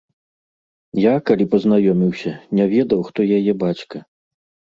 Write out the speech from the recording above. Я, калі пазнаёміўся, не ведаў, хто яе бацька.